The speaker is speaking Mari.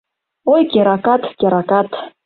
Ой, керакат, керакат